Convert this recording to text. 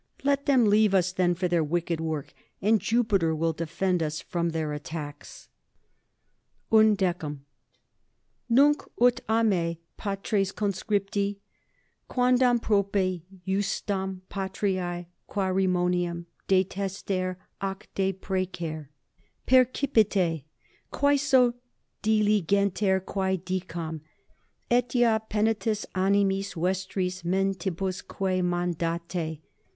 Let them leave us then for their wicked work, and Jupiter will defend us from their attacks._ =11.= Nunc ut a me, patres conscripti, quandam prope iustam patriae querimoniam detester ac deprecer, percipite, quaeso, diligenter quae dicam, et ea penitus animis vestris mentibusque mandate.